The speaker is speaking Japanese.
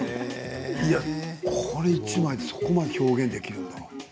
この１枚でそこまで表現できるんだ。